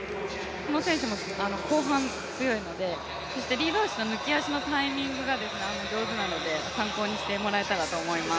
この選手も後半強いので、リード足の抜きがうまいので参考にしてもらえたらと思います。